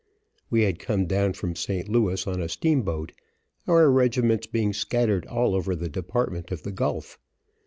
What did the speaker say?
We had come down from St. Louis on a steamboat, our regiments being scattered all over the Department of the Gulf.